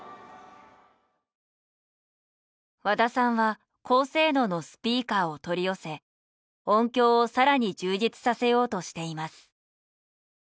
和田さんは高性能のスピーカーを取り寄せ音響をさらに充実させようとしています。